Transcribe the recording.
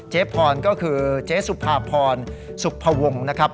พรก็คือเจ๊สุภาพรสุภวงนะครับ